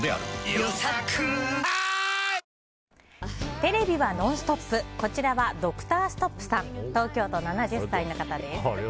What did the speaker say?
テレビはノンストップこちらはドクターストップさん東京都７０歳の方です。